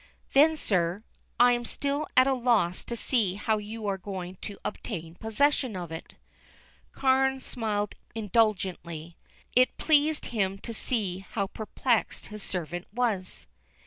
"Then, sir, I'm still at a loss to see how you are going to obtain possession of it." Carne smiled indulgently. It pleased him to see how perplexed his servant was.